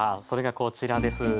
それがこちらです。